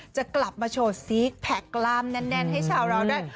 จะกลับมาโชว์ซีกแพคกล้ามแน่นให้ชาวเราได้